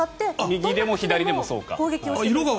右でも左でもそうか。